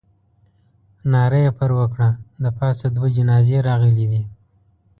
ناره یې پر وکړه. د پاسه دوه جنازې راغلې دي.